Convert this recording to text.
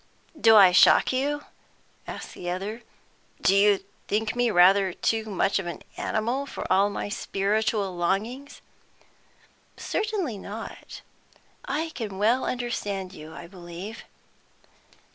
"Do I shock you?" asked the other. "Do you think me rather too much of an animal, for all my spiritual longings?" "Certainly not, I can well understand you, I believe."